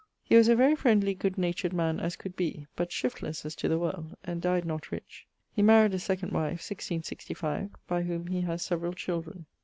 He was a very friendly good natured man as could be, but shiftlesse as to the world, and dyed not rich. He maried a second wife, 1665, by whom he has severall children.